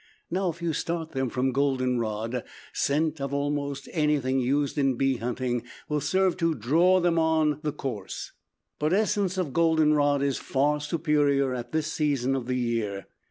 Now if you start them from goldenrod, scent of almost anything used in bee hunting will serve to draw them on the course; but essence of goldenrod is far superior at this season of the year.